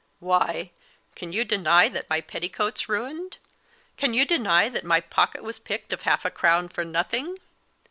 Why, can you deny that my petticoat's ruined?" Can you deny that my pocket was picked of half a crown for nothing?